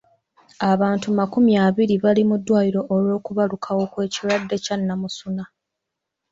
Abantu makumi abiri bali mu ddwaliro olw'okubalukawo kw'ekirwadde kya namusuna.